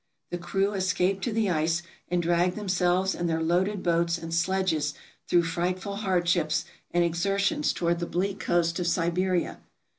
The crew escaped to the ice, and dragged themselves and their loaded boats and sledges through frightful hardships and exertions toward the bleak coast of Siberia.